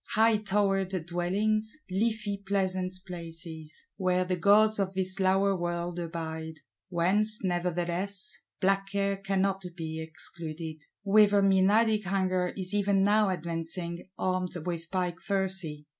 High towered dwellings, leafy pleasant places; where the gods of this lower world abide: whence, nevertheless, black Care cannot be excluded; whither Menadic Hunger is even now advancing, armed with pike thyrsi!